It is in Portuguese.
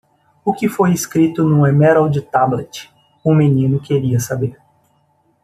"O que foi escrito no Emerald Tablet?" o menino queria saber.